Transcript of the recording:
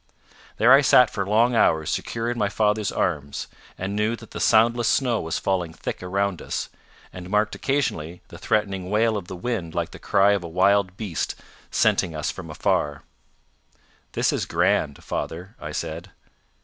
There I sat for long hours secure in my father's arms, and knew that the soundless snow was falling thick around us, and marked occasionally the threatening wail of the wind like the cry of a wild beast scenting us from afar. "This is grand, father," I said.